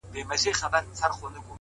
ساده فکر ذهن ته ارامتیا راولي